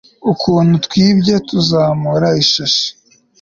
Ukuntu twibye tuzamura ishashi